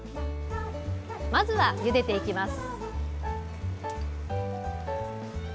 まずはゆでていきます